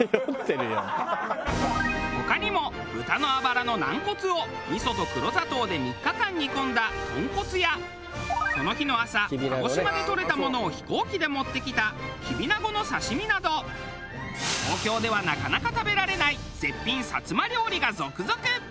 他にも豚のあばらの軟骨を味噌と黒砂糖で３日間煮込んだとんこつやその日の朝鹿児島でとれたものを飛行機で持ってきたきびなごの刺身など東京ではなかなか食べられない絶品薩摩料理が続々。